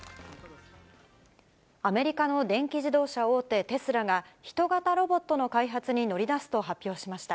アメリカの電気自動車大手、テスラが、人型ロボットの開発に乗り出すと発表しました。